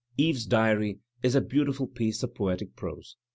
"Eve's Diary" is a beautiful piece of poetic prose.